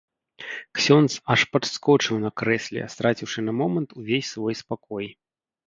Ксёндз аж падскочыў на крэсле, страціўшы на момант увесь свой спакой.